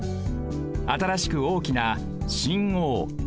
新しく大きな新大橋。